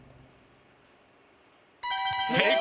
正解！